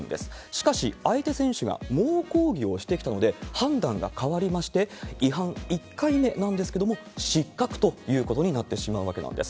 しかし、相手選手が猛抗議をしてきたので、判断が変わりまして、違反１回目なんですけれども、失格ということになってしまうわけなんです。